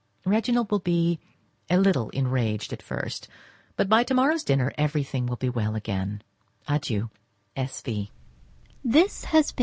Reginald will be a little enraged at first, but by to morrow's dinner, everything will be well again. Adieu! S. V.